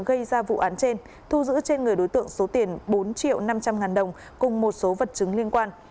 gây ra vụ án trên thu giữ trên người đối tượng số tiền bốn triệu năm trăm linh ngàn đồng cùng một số vật chứng liên quan